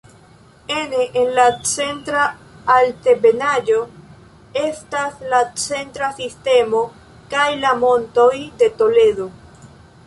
Ene de la Centra Altebenaĵo estas la Centra Sistemo kaj la Montoj de Toledo.